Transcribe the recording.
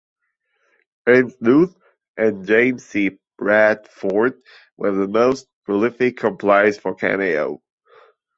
Ernst Luz and James C. Bradford were the most prolific compilers for Cameo.